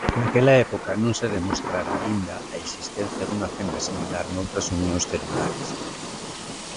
Naquela época non se demostrara aínda a existencia dunha fenda similar noutras unións celulares.